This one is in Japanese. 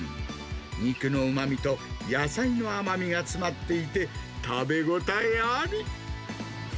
肉のうまみと野菜の甘みが詰まっていて、食べ応えあり。